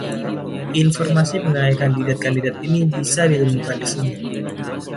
Informasi mengenai kandidat-kandidat ini bisa ditemukan di sini.